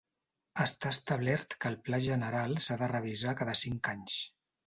Està establert que el Pla general s'ha de revisar cada cinc anys.